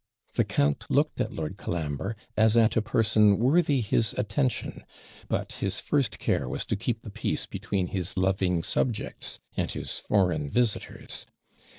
The count looked at Lord Colambre, as at a person worthy his attention; but his first care was to keep the peace between his loving subjects and his foreign visitors.